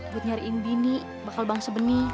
buat nyariin bini bakal bangsa benih